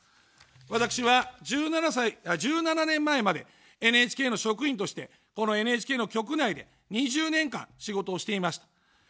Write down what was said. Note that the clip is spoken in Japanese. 私は１７年前までＮＨＫの職員として、このＮＨＫの局内で２０年間仕事をしていました。